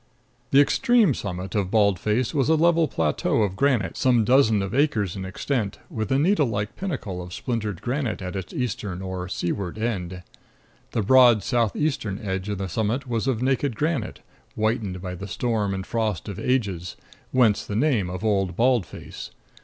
The extreme summit of Bald Face was a level plateau of granite some dozen of acres in extent, with a needle like pinnacle of splintered granite at its eastern or seaward end. The broad southeastern face of the summit was of naked granite, whitened by the storm and frost of ages, whence the name of Old Bald Face.